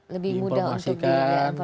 lebih mudah untuk di informasikan